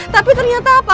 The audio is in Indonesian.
tapi ternyata apa